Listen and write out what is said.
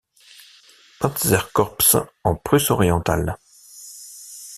Panzerkorps en Prusse-Orientale.